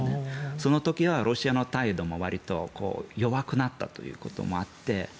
その時はロシアの態度もわりと弱くなったということもあって。